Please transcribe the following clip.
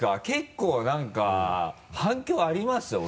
結構何か反響あります？